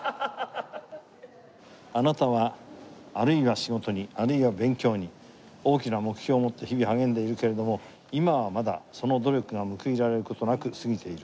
「あなたはあるいは仕事にあるいは勉強に大きな目標をもって日々励んでいるけれども今はまだその努力が報いられることなく過ぎている」